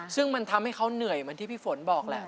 ซึ่งมันทำให้เขาเหนื่อยเหมือนที่พี่ฝนบอกแหละ